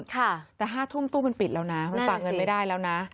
แต่๕ทุ่มตู้มันปิดแล้วนะมันฝากเงินไม่ได้แล้วนะ